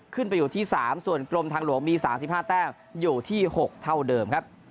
ขึ้นไปอยู่ที่๓ส่วนกรมทางหลวงมี๓๕แต้มอยู่ที่๖เท่าเดิมครับ